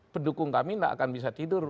pendukung kami tidak akan bisa tidur